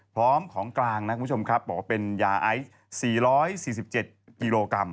พร้อมของกลางนะคุณผู้ชมครับบอกว่าเป็นยาไอซ์๔๔๗กิโลกรัม